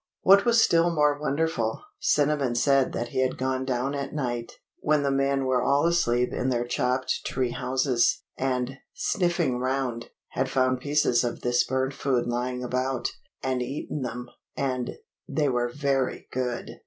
What was still more wonderful, Cinnamon said that he had gone down at night, when the men were all asleep in their chopped tree houses, and, sniffing round, had found pieces of this burnt food lying about, and eaten them, and they were very good!